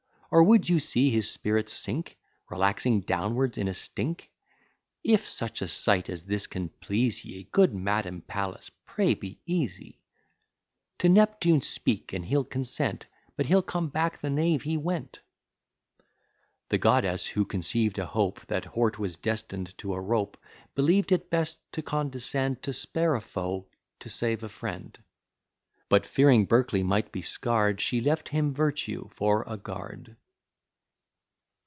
Or, would you see his spirits sink? Relaxing downwards in a stink? If such a sight as this can please ye, Good madam Pallas, pray be easy. To Neptune speak, and he'll consent; But he'll come back the knave he went." The goddess, who conceived a hope That Hort was destined to a rope, Believed it best to condescend To spare a foe, to save a friend; But, fearing Berkeley might be scared, She left him virtue for a guard.